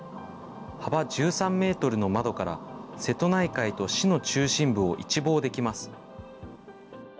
幅１３メートルの窓から瀬戸内海と市の中心部を一望できます。